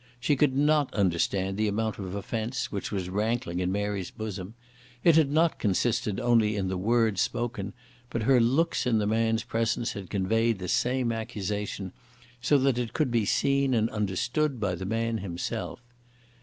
She could not understand the amount of offence which was rankling in Mary's bosom. It had not consisted only in the words spoken, but her looks in the man's presence had conveyed the same accusation, so that it could be seen and understood by the man himself.